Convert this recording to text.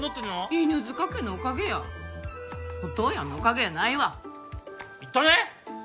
犬塚家のおかげやお父やんのおかげやないわ言ったね！